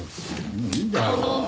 もういいだろ。